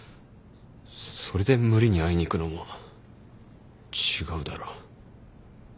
それで無理に会いに行くのも違うだろ。